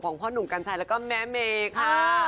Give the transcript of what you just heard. ของพ่อหนุ่มกัญชัยและแม่เมคค่ะ